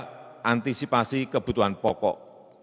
yang kelima perihal antisipasi kebutuhan pokok